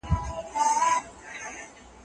هغه وويل چي نرمې خبري غوره دي.